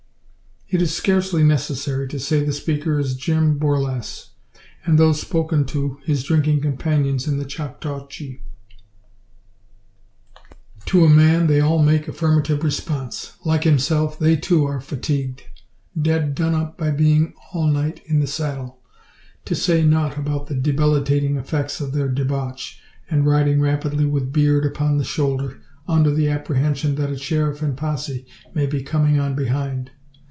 It is scarcely necessary to say the speaker is Jim Borlasse, and those spoken to his drinking companions in the Choctaw Chief. To a man, they all make affirmative response. Like himself, they too are fatigued dead done up by being all night in the saddle, to say nought about the debilitating effects of their debauch, and riding rapidly with beard upon the shoulder, under the apprehension that a sheriff and posse may be coming on behind.